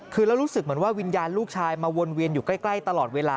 คือแล้วรู้สึกเหมือนว่าวิญญาณลูกชายมาวนเวียนอยู่ใกล้ตลอดเวลา